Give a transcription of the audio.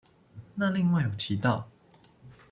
那另外有提到